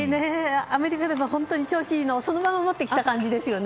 アメリカでも調子がいいのをそのまま持ってきた感じですよね。